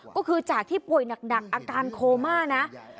ก็คือจากที่ป่วยหนักอาการโคม่านะ